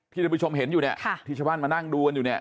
ท่านผู้ชมเห็นอยู่เนี่ยที่ชาวบ้านมานั่งดูกันอยู่เนี่ย